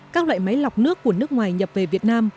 các loại máy lọc nước của nước ngoài nhập về việt nam